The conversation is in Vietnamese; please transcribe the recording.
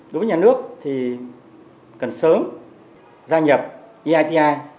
đối với nhà nước thì cần sớm gia nhập eiti